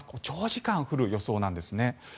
長時間降る予想なんですね。